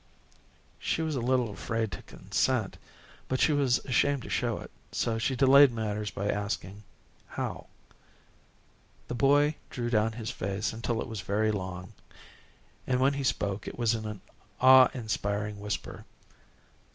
She was a little afraid to consent, but she was ashamed to show it. So she delayed matters by asking "How?" The boy drew down his face until it was very long, and when he spoke it was in an awe inspiring whisper.